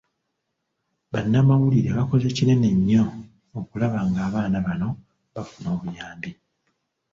Bannamawulire bakoze kinene nnyo okulaba ng'abaana bano bafuna obuyambi .